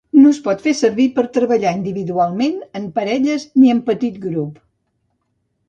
No es pot fer servir per treballar individualment, en parelles ni en petit grup.